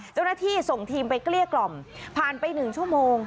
เจ้าหน้าที่ส่งทีมไปเกลี้ยกล่อมผ่านไป๑ชั่วโมง